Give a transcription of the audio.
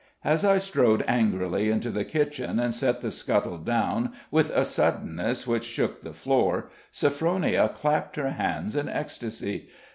As I strode angrily into the kitchen and set the scuttle down with a suddenness which shook the floor, Sophronia clapped her hands in ecstasy.